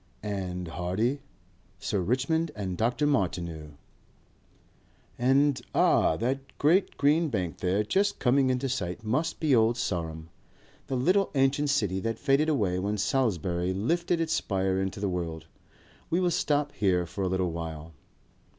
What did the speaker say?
"And Hardy?" "Sir Richmond and Dr. Martineau." "And Ah! That great green bank there just coming into sight must be Old Sarum. The little ancient city that faded away when Salisbury lifted its spire into the world. We will stop here for a little while...."